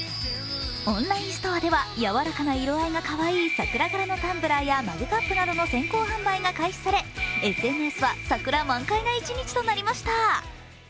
オンラインストアではやわらかな色合いがかわいい桜柄のタンブラーやマグカップなどの先行販売が開始されＳＮＳは桜満開な一日となりました。